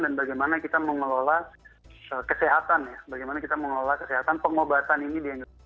dan bagaimana kita mengelola kesehatan pengobatan ini